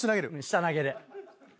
下投げで。